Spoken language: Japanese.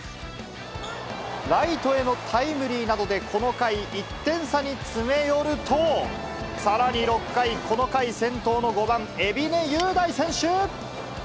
ライトへのタイムリーなどでこの回、１点差に詰め寄ると、さらに６回、この回先頭の５番海老根優大選手。